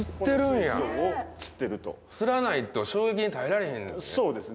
吊らないと衝撃に耐えられへんのですね。